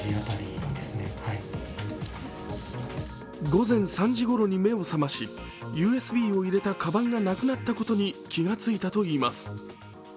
午前３時ごろに目を覚まし、ＵＳＢを入れたかばんがなくなったことに気が付いたといいます。